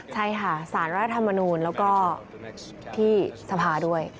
ใช่ค่ะสารรัฐธรรมนูลแล้วก็ที่สภาด้วย